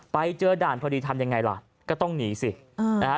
ไปเจอด่านพอดีทำยังไงล่ะก็ต้องหนีสินะฮะ